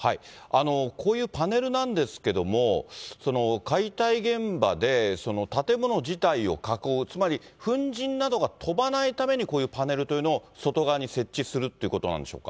こういうパネルなんですけども、解体現場で建物自体を囲う、つまり粉じんなどが飛ばないためにこういうパネルというのを外側に設置するということなんでしょうか。